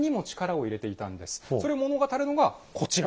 それを物語るのがこちら。